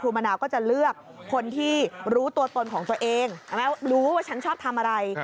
มะนาวก็จะเลือกคนที่รู้ตัวตนของตัวเองรู้ว่าฉันชอบทำอะไร